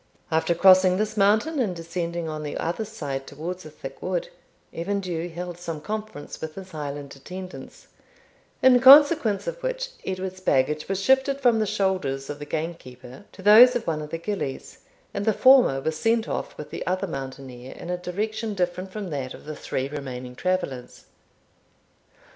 After crossing this mountain and descending on the other side towards a thick wood, Evan Dhu held some conference with his Highland attendants, in consequence of which Edward's baggage was shifted from the shoulders of the gamekeeper to those of one of the gillies, and the former was sent off with the other mountaineer in a direction different from that of the three remaining travellers.